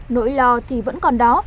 nỗi lo thì vẫn còn đó